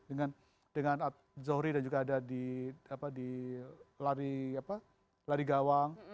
dengan zohri dan juga ada di lari gawang